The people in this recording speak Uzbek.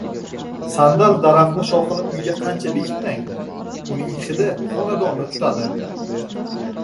• Sandal daraxti shoxini uyga qancha berkitmang, uning hidi xonadonni tutadi.